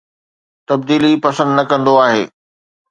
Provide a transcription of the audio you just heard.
تبديلي پسند نه ڪندو آھي